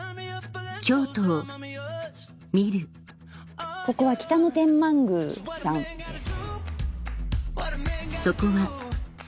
京都を見るここは北野天満宮さんです。